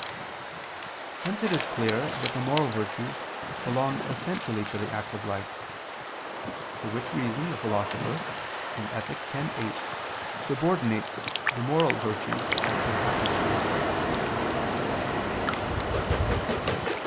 Hence it is clear that the moral virtues belong essentially to the active life; for which reason the Philosopher (Ethic. x, 8) subordinates the moral virtues to active happiness.